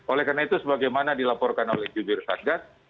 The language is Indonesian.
oleh karena itu sebagaimana dilaporkan oleh jumir fadgat